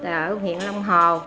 ở huyện long hồ